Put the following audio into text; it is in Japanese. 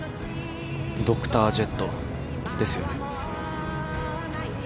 ドクタージェットですよね。